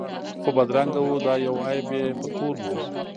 خو بدرنګه وو دا یو عیب یې په کور وو